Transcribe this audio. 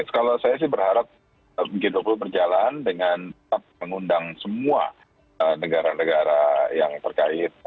kalau saya sih berharap g dua puluh berjalan dengan tetap mengundang semua negara negara yang terkait